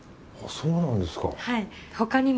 あっそうなんですか。